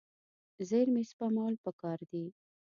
زیرمې سپمول پکار دي.